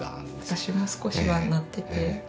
私も少しはなっていて。